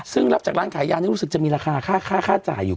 ซึ่งรับจากร้านขายยานี่รู้สึกจะมีราคาค่าจ่ายอยู่